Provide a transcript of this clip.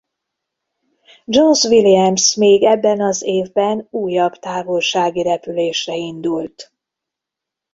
Jones-Williams még ebben az évben újabb távolsági repülésre indult.